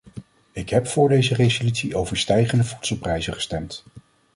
Ik heb voor deze resolutie over stijgende voedselprijzen gestemd.